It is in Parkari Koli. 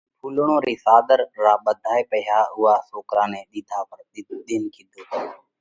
ان ڦُولڙون رِي ساۮر را ٻڌائي پئِيها اُوئا سوڪرا نئہ ۮينَ ڪِيڌو: